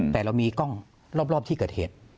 แต่เรามีกล้องรอบที่เกิดเหตุ